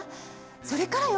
それからよ。